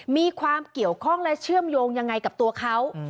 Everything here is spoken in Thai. มีความเกี่ยวข้องและเชื่อมโยงยังไงกับตัวเขา